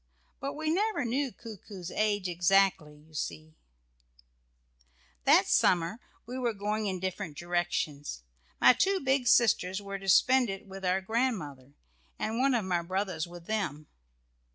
But we never knew Coo coo's age exactly, you see. That summer we were going in different directions. My two big sisters were to spend it with our grandmother, and one of my brothers with them.